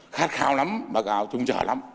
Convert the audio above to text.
khát khao lắm báo cáo trung trở lắm